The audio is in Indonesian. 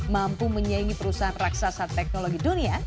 mampu menyaingi perusahaan raksasa teknologi dunia